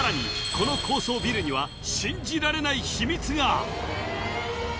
この高層ビルには信じられない秘密が！